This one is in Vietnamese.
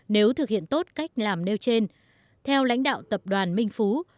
nếu thực hiện tốt cách làm nêu trên theo lãnh đạo tập đoàn minh phú